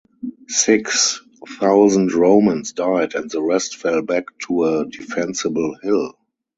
Six thousand Romans died and the rest fell back to a defensible hill.